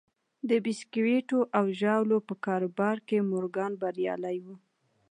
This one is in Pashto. د بیسکويټو او ژاولو په کاروبار کې مورګان بریالی و